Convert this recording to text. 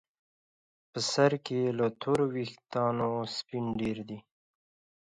په سر کې یې له تورو ویښتانو سپین ډیر وو.